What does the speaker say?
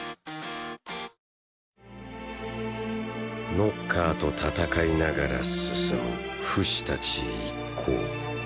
ノッカーと戦いながら進むフシたち一行。